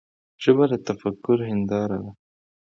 ژبه د تفکر هنداره ده.